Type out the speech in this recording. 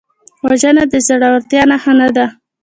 وژنه د زړورتیا نښه نه ده